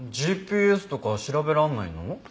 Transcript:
ＧＰＳとか調べられないの？